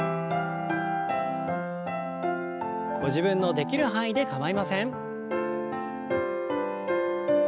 ご自分のできる範囲で構いません。